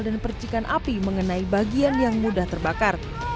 dan percikan api mengenai bagian yang mudah terbakar